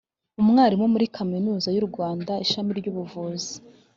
Umwarimu muri Kaminuza y’u Rwanda ishami ry’ubuvuzi